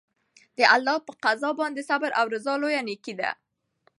د الله په قضا باندې صبر او رضا لویه نېکي ده.